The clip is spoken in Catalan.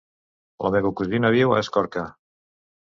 La meva cosina viu a Escorca.